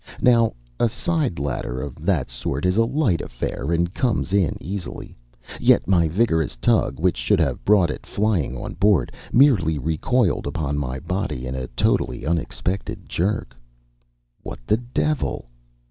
Now a side ladder of that sort is a light affair and comes in easily, yet my vigorous tug, which should have brought it flying on board, merely recoiled upon my body in a totally unexpected jerk. What the devil!...